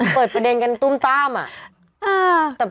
เปิดประเด็นกันตุ้มต้ามอ่ะ